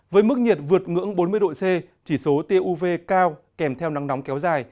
với mức nhiệt vượt ngưỡng bốn mươi độ c chỉ số tuv cao kèm theo nắng nóng kéo dài